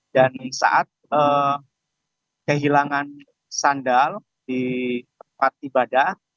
dan saat kehilangan sandal di tempat ibadah